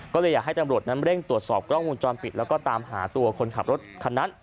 ก็เลยอยากให้ตำรวจนั้นเร่งตรวจสอบกล้องวงจรปิดแล้วก็ตามหาตัวคนขับรถคันนั้น